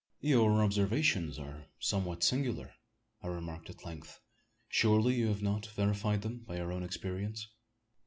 "Your observations are somewhat singular?" I remarked at length. "Surely you have not verified them by your own experience?"